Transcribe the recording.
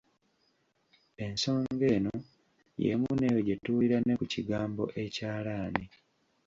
Ensonga eno y'emu n'eyo gye tuwulira ne ku kigambo ekyalaani.